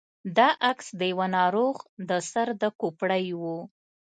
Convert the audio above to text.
دا عکس د يوه ناروغ د سر د کوپړۍ و.